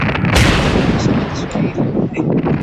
Hujui kusoma Kiswahili.